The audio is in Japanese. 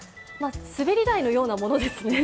滑り台のようなものですね。